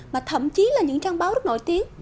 mà thậm chí là những trang báo rất nổi tiếng